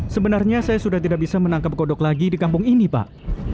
sebenarnya saya sudah tidak bisa menangkap kodok lagi di kampung ini pak